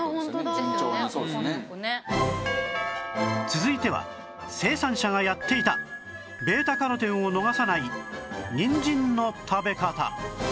続いては生産者がやっていた β− カロテンを逃さないにんじんの食べ方